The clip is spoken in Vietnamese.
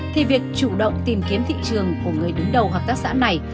thì việc chủ động tìm kiếm thị trường của người đứng đầu hợp tác xã này